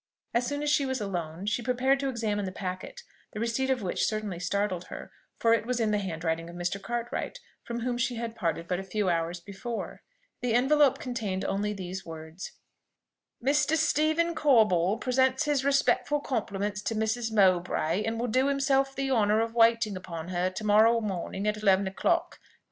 As soon as she was alone, she prepared to examine the packet, the receipt of which certainly startled her, for it was in the handwriting of Mr. Cartwright, from whom she had parted but a few hours before. The envelope contained only these words: "Mr. Stephen Corbold presents his respectful compliments to Mrs. Mowbray, and will do himself the honour of waiting upon her to morrow morning at eleven o'clock."